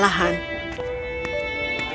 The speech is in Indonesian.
dia benar benar kewalahan